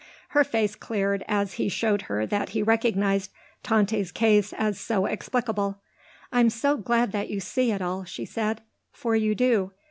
Her face cleared as he showed her that he recognised Tante's case as so explicable. "I'm so glad that you see it all," she said. "For you do.